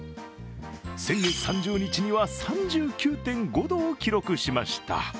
先月３０日には３９．５度を記録しました。